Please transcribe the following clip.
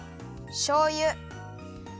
しょうゆ。